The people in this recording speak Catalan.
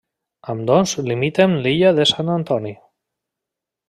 Ambdós limiten l'illa de Sant Antoni.